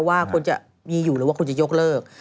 ว่าควรจะมีอยู่หรือว่าคุณจะยกเลิก